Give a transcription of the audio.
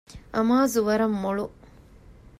އަމާޒު ވަރަށް މޮޅު